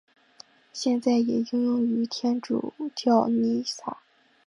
现在也应用于天主教弥撒。